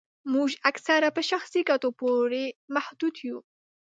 موږ اکثره په شخصي ګټو پوري محدود یو